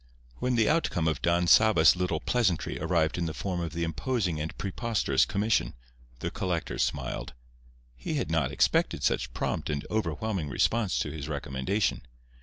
When the outcome of Don Sabas' little pleasantry arrived in the form of the imposing and preposterous commission, the collector smiled. He had not expected such prompt and overwhelming response to his recommendation.